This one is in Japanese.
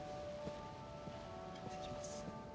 失礼します。